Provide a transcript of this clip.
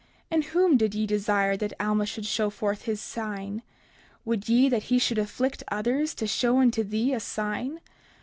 In whom did ye desire that Alma should show forth his sign? Would ye that he should afflict others, to show unto thee a sign?